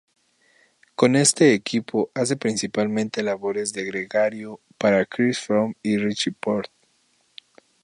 Con este equipo hace principalmente labores de gregario para Chris Froome y Richie Porte.